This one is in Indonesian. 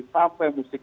tapi sampai musik